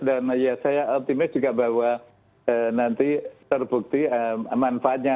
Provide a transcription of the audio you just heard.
dan ya saya optimis juga bahwa nanti terbukti manfaatnya